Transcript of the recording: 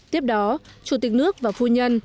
tiếp đó chủ tịch nước và phu nhân